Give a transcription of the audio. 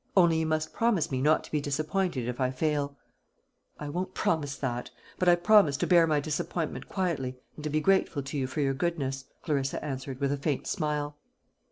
Only you must promise me not to be disappointed if I fail." "I won't promise that; but I promise to bear my disappointment quietly, and to be grateful to you for your goodness," Clarissa answered, with a faint smile.